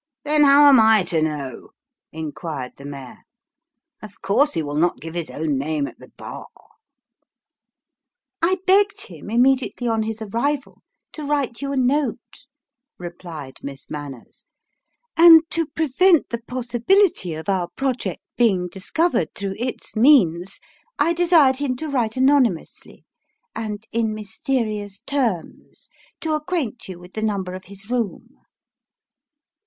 " Then how am I to know ?" inquired the mayor. " Of course he will not give his own name at the bar." " I begged him, immediately on his arrival, to write you a note," replied Miss Manners ;" and to prevent the possibility of our project being discovered through its means, I desired him to write anony mously, and in mysterious terms, to acquaint you with the number of his room."